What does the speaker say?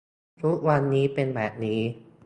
ทุกวันนี้เป็นแบบนี้